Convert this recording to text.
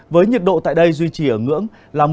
với nhiệt độ tại đây duy trì ở ngưỡng